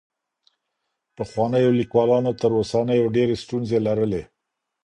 پخوانيو ليکوالانو تر اوسنيو ډېري ستونزې لرلې.